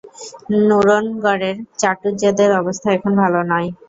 নুরনগরের চাটুজ্যেদের অবস্থা এখন ভালো নয়।